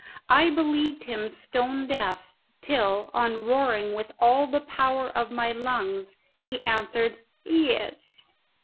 I believed him stone deaf till, on roaring with all the power of my lungs, he answered "Yes."